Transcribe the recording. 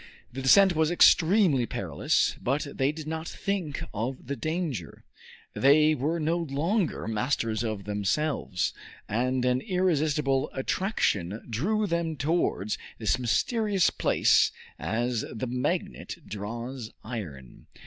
The descent was extremely perilous, but they did not think of the danger; they were no longer masters of themselves, and an irresistible attraction drew them towards this mysterious place as the magnet draws iron.